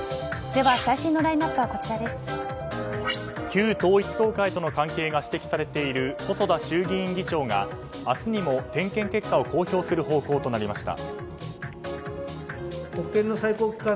旧統一教会との関係が指摘されている細田衆議院議長が明日にも点検結果を公表する方向となりました。